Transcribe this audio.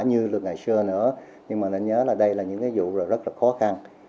như lúc ngày xưa nữa nhưng mà nên nhớ là đây là những cái vụ rất là khó khăn